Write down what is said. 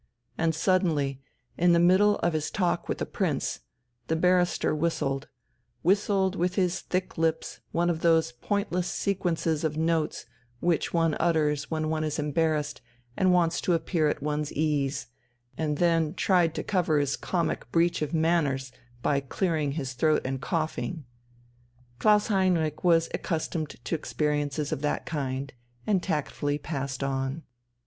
And suddenly, in the middle of his talk with the Prince, the barrister whistled whistled with his thick lips one of those pointless sequences of notes which one utters when one is embarrassed and wants to appear at one's ease, and then tried to cover his comic breach of manners by clearing his throat and coughing. Klaus Heinrich was accustomed to experiences of that kind, and tactfully passed on.